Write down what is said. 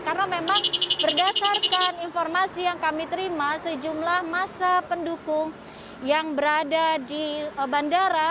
karena memang berdasarkan informasi yang kami terima sejumlah massa pendukung yang berada di bandara